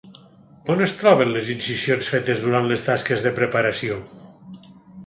On es troben les incisions fetes durant les tasques de preparació?